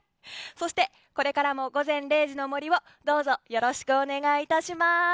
そしてこれからも「午前０時の森」をどうぞよろしくお願いいたします。